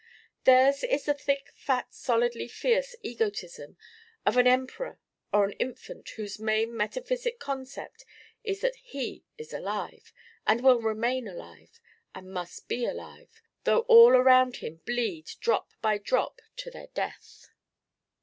Theirs is the thick fat solidly fierce egotism of an emperor or an infant whose main metaphysic concept is that he is alive, and will remain alive, and must be alive, though all around him bleed drop by drop to their death.